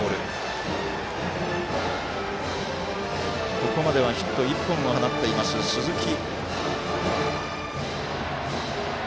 ここまではヒット１本を放っています、鈴木。